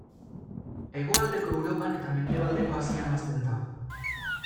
Hegoaldeko Europan eta mendebaldeko Asian hazten da.